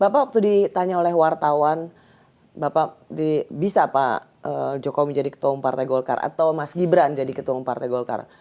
bapak waktu ditanya oleh wartawan bapak bisa pak jokowi menjadi ketua umum partai golkar atau mas gibran jadi ketua umum partai golkar